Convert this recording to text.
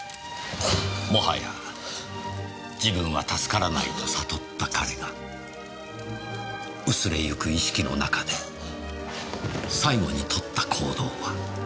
もはや自分は助からないと悟った彼が薄れゆく意識の中で最後にとった行動は。